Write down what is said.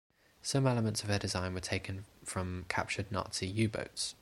Some elements of her design were taken from captured Nazi German U-boats.